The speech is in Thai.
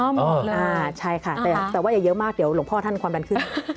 อ่าใช่ค่ะแต่ว่าอย่าเยอะมากเดี๋ยวหลวงพ่อท่านความดันขึ้น